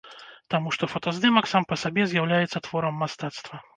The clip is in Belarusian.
Таму што фотаздымак сам па сабе з'яўляецца творам мастацтва.